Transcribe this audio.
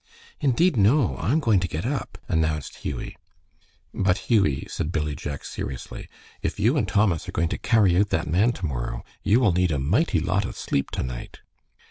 "Indeed, no! I'm going to get up," announced Hughie. "But, Hughie," said Billy Jack, seriously, "if you and Thomas are going to carry out that man to morrow, you will need a mighty lot of sleep to night."